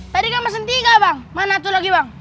tadi kan mesin tiga bang mana tuh lagi bang